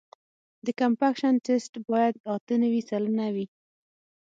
د کمپکشن ټسټ باید اته نوي سلنه وي